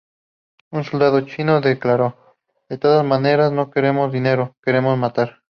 Un soldado chino declaró: ""De todas maneras no queremos dinero, queremos matar"".